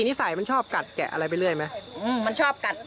นิสัยมันชอบกัดแกะอะไรไปเรื่อยไหมมันชอบกัด